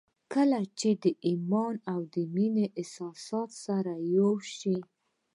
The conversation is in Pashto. کله چې د ايمان او مينې احساسات سره يو ځای شي.